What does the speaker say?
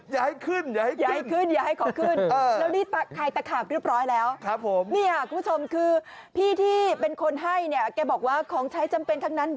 เห็นแล้วไม่อยากแต่งเลยเหรอพี่ปุ๊ย